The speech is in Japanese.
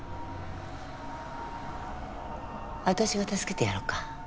私が助けてやろうか。